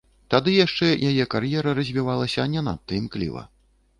Тады яшчэ яе кар'ера развівалася не надта імкліва.